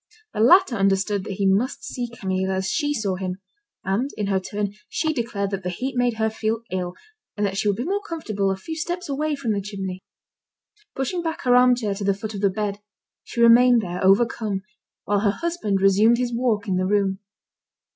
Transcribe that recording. The latter understood that he must see Camille as she saw him; and, in her turn, she declared that the heat made her feel ill, and that she would be more comfortable a few steps away from the chimney. Pushing back her armchair to the foot of the bed, she remained there overcome, while her husband resumed his walk in the room.